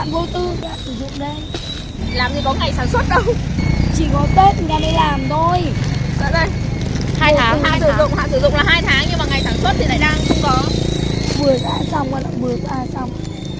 vừa ra xong vừa qua xong